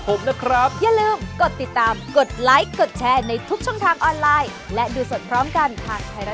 สวัสดีครับ